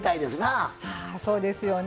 ああそうですよね。